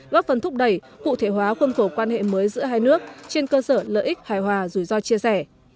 góp phần thúc đẩy cụ thể hóa khuôn khổ quan hệ mới giữa hai nước trên cơ sở lợi ích hài hòa rủi ro chia sẻ